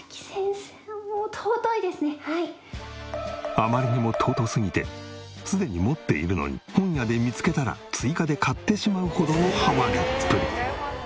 あまりにも尊すぎてすでに持っているのに本屋で見つけたら追加で買ってしまうほどのハマりっぷり。